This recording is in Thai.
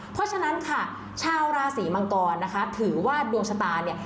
เพราะฉะนั้นค่ะชาวราศีมังกรนะคะถือว่าดวงชะตาเนี่ย